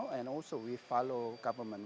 dan kami juga mengikuti